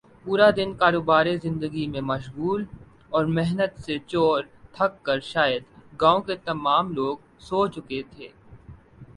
پورا دن کاروبار زندگی میں مشغول اور محنت سے چور تھک کر شاید گاؤں کے تمام لوگ سو چکے تھے